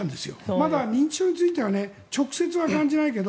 まだ認知症については直接は感じないけど